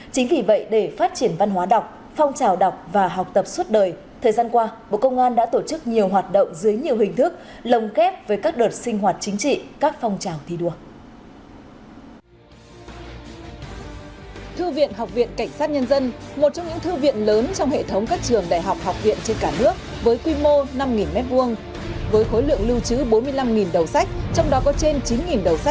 chính vì vậy để phát triển văn hóa đọc phong trào đọc và học tập suốt đời thời gian qua bộ công an đã tổ chức nhiều hoạt động dưới nhiều hình thức lồng kép với các đợt sinh hoạt chính trị các phong trào thi đua